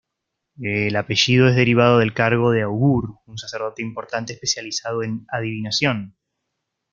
El apellido es derivado del cargo de "augur", un sacerdote importante especializado en adivinación.